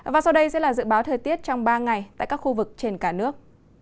và sau đây sẽ là dự báo thời tiết trong ba ngày tại các khu vực trên cả nước